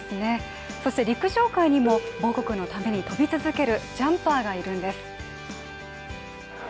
そして陸上界にも母国のために跳び続けるジャンパーがいるんです。